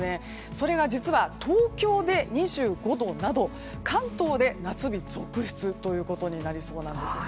それが実は東京で２５度など関東で夏日続出ということになりそうです。